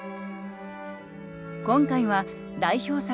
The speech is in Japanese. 今回は代表作